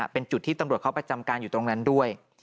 เป็นจุดที่ตำรวจเขาประจำการอยู่ตรงนั้นด้วย